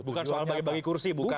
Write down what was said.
bukan soal bagi bagi kursi bukan